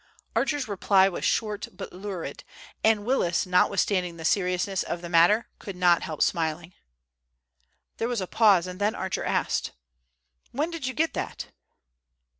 Archer's reply was short but lurid, and Willis, not withstanding the seriousness of the matter, could not help smiling. There was a pause, and then Archer asked: "When did you get that?"